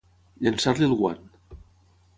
Llançar-li el guant.